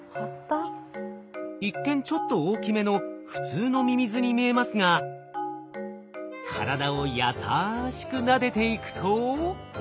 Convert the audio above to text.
一見ちょっと大きめの普通のミミズに見えますが体を優しくなでていくと。